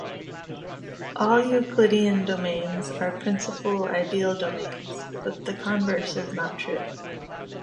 All Euclidean domains are principal ideal domains, but the converse is not true.